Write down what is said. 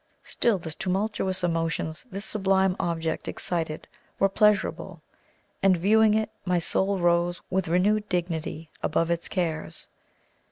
Still the tumultuous emotions this sublime object excited were pleasurable; and, viewing it, my soul rose with renewed dignity above its cares.